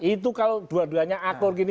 itu kalau dua duanya atur gini